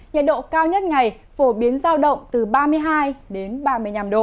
nhiệt độ cao nhất ngày phổ biến giao động từ ba mươi hai đến ba mươi năm độ